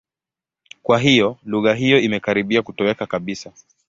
Kwa hiyo, lugha hiyo imekaribia kutoweka kabisa.